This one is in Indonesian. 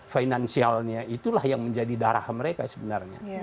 finansialnya itulah yang menjadi darah mereka sebenarnya